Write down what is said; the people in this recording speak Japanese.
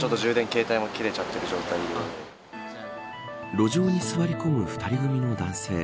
路上に座り込む２人組の男性。